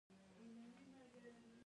زه غیبت نه کوم.